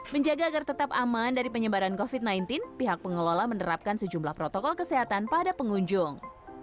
menjaga agar tetap aman dari penyebaran covid sembilan belas pihak pengelola menerapkan sejumlah protokol kesehatan pada pengunjung